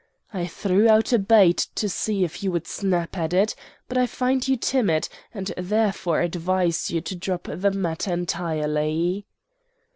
I threw out a bait to see if you would snap at it, but I find you timid, and therefore advise you to drop the matter entirely.